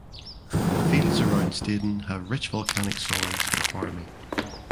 The fields around Staden have rich volcanic soils for farming.